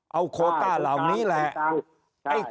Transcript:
เอาโคต้าเหล่านี้แหละ